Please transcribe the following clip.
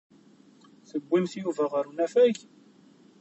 Tewwimt Yuba ɣer unafag?